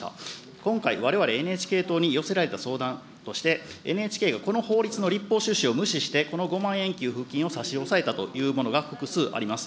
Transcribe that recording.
今回、われわれＮＨＫ党に寄せられた相談として、ＮＨＫがこの法律の立法趣旨を無視して、この５万円給付金を差し押さえたというものが複数あります。